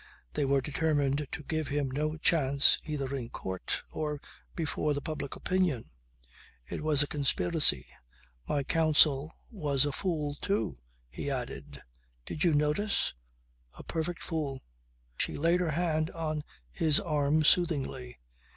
They were determined to give him no chance either in court or before the public opinion. It was a conspiracy ... "My counsel was a fool too," he added. "Did you notice? A perfect fool." She laid her hand on his arm soothingly.